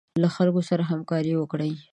له خلکو سره همکاري وکړئ.